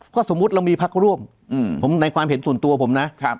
ก็สมมุติเรามีพักร่วมผมในความเห็นส่วนตัวผมนะ